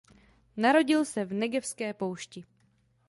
Narodil se v Negevské poušti.